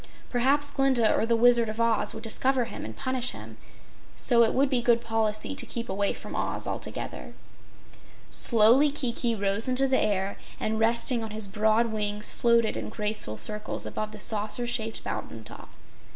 Perhaps Glinda or the Wizard of Oz would discover him and punish him, so it would be good policy to keep away from Oz altogether. Slowly Kiki rose into the air, and resting on his broad wings, floated in graceful circles above the saucer shaped mountain top.